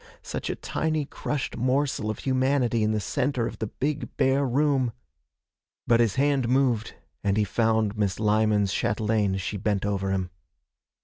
Such a tiny crushed morsel of humanity in the centre of the big bare room! But his hand moved and he found Miss Lyman's chatelaine as she bent over him.